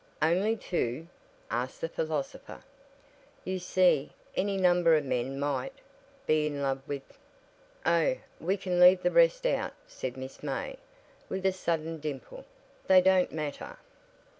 "Only two?" asked the philosopher. "You see, any number of men _might _ be in love with " "Oh, we can leave the rest out," said Miss May, with a sudden dimple; "they don't matter."